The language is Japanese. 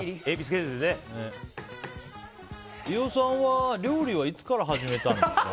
飯尾さんは料理はいつから始めたんですか？